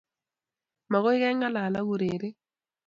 mokoi keng'alal ak urerik.